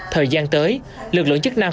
thời gian tới lực lượng chức năng